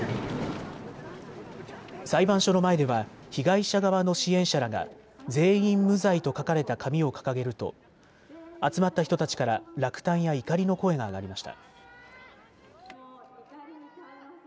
裁判所の前では被害者側の支援者らが全員無罪と書かれた紙を掲げると集まった人たちから落胆や怒りの声が上がりました。